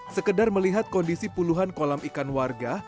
sekedar melihat kondisi puluhan kolam ikan warga